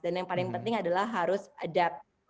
dan yang paling penting adalah harus adapt